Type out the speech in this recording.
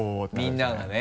みんながね。